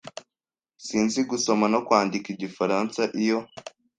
sinzi gusoma no kwandika Igifaransa Iyo